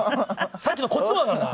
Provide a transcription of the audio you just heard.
さっきのこっちもだからな。